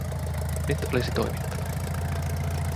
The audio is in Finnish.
Nyt olisi toimittava.